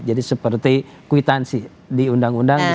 jadi seperti kwitansi di undang undang